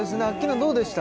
どうでした？